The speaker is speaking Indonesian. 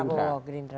ke pak prabowo gerindra